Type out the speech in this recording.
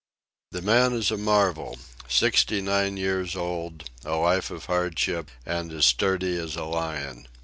The man is a marvel—sixty nine years old, a life of hardship, and as sturdy as a lion.